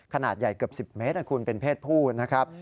ขนาดใหญ่เกือบ๑๐เมตรคุณเป็นเพศผู้นะครับ